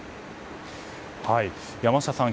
山下さん